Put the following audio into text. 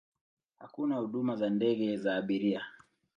Hakuna huduma ya ndege za abiria.